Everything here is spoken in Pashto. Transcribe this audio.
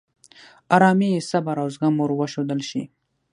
آرامي، صبر، او زغم ور وښودل شي.